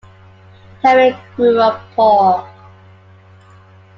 Tyrrell grew up poor.